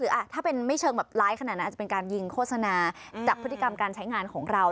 คือถ้าเป็นไม่เชิงแบบร้ายขนาดนั้นอาจจะเป็นการยิงโฆษณาจากพฤติกรรมการใช้งานของเรา